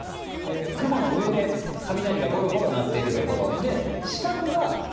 雲の上で雷がごろごろ鳴っている所。